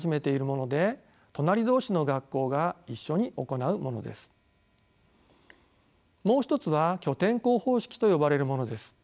もう一つは拠点校方式と呼ばれるものです。